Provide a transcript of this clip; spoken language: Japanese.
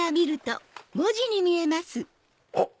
あっ！